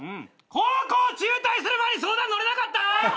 高校中退する前に相談乗れなかった！？